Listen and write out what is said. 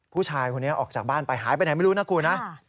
ผู้ชายคนนี้ออกจากบ้านไปหายไปไหนไม่รู้นะคุณนะ